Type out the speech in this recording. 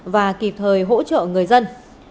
và kịp thời hỗ trợ người dân